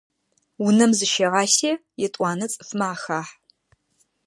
Унэм зыщыгъасе етӏуанэ цӏыфмэ ахахь.